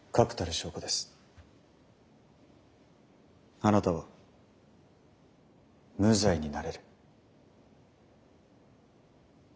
あなたは無罪になれる。